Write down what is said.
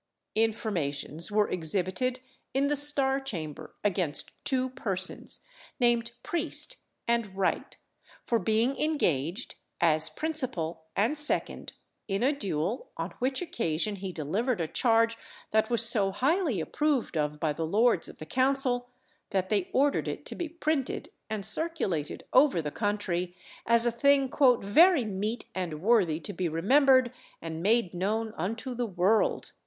Informations were exhibited in the Star Chamber against two persons, named Priest and Wright, for being engaged, as principal and second, in a duel, on which occasion he delivered a charge that was so highly approved of by the Lords of the Council, that they ordered it to be printed and circulated over the country, as a thing "very meet and worthy to be remembered and made known unto the world."